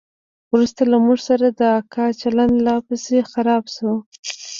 وروسته له موږ سره د اکا چلند لا پسې خراب سو.